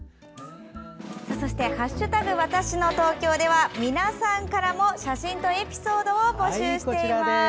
そして「＃わたしの東京」は皆さんからも写真とエピソードを募集しています。